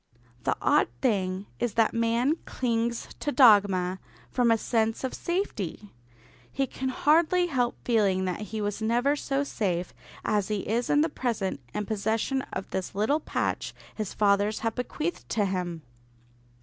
The odd thing is that man clings to dogma from a sense of safety. He can hardly help feeling that he was never so safe as he is in the present in possession of this little patch his fathers have bequeathed to him.